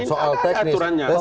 soal aturan itu soal teknis